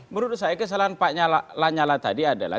menurut saya kesalahan pak lanyala tadi adalah